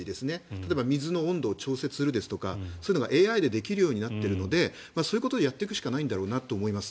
例えば水の温度を調節するとかそういうのがＡＩでできるようになっているのでそういうことをやっていくしかないんだろうと思います。